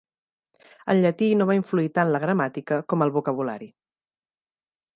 El llatí no va influir tant la gramàtica com el vocabulari.